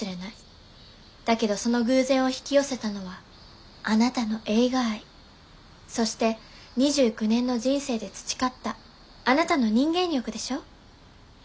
だけどその偶然を引き寄せたのはあなたの映画愛そして２９年の人生で培ったあなたの人間力でしょ？